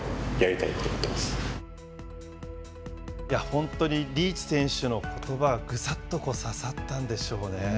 本当にリーチ選手のことばがぐさっと刺さったんでしょうね。